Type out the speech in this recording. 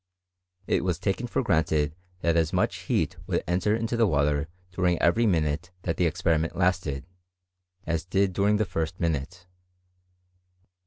It was taken for granted that as much heat would enter into the water during every minute that the experiment lasted, as did during the first minute.